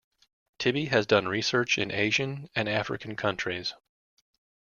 Tibi has done research in Asian and African countries.